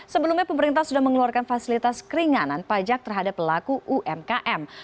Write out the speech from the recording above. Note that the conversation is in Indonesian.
sebelumnya pemerintah sudah mengeluarkan fasilitas keringanan pajak terhadap pelaku umkm